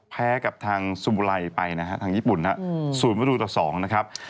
แพ้กับทางสมุรัยไปนะฮะทางญี่ปุ่นฮะสูญวัตถุต่อสองนะครับ